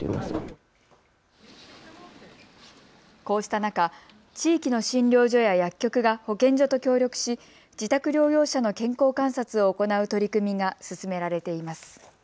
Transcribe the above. こうした中、地域の診療所や薬局が保健所と協力し自宅療養者の健康観察を行う取り組みが進められています。